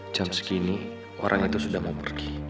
jam segini orang itu sudah mau pergi